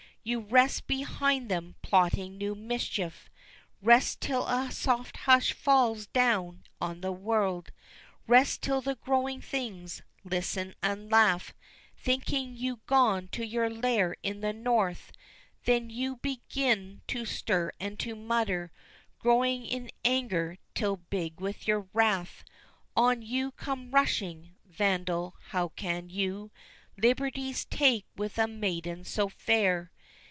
You rest behind them plotting new mischief, Rest till a soft hush falls down on the world, Rest till the growing things listen and laugh Thinking you gone to your lair in the North, Then you begin to stir and to mutter, Growing in anger, till, big with your wrath, On you come rushing vandal how can you Liberties take with a maiden so fair?